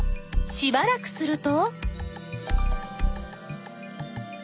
しばらくすると。